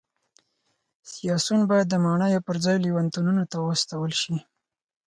سیاسیون باید د ماڼیو پرځای لېونتونونو ته واستول شي